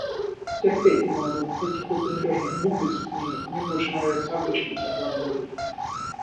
Терпеть не могу этих выпендрёжных буквиц в книгах. Мне больше нравятся обычные заглавные буквы